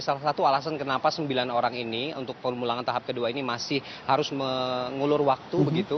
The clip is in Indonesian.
salah satu alasan kenapa sembilan orang ini untuk pemulangan tahap kedua ini masih harus mengulur waktu begitu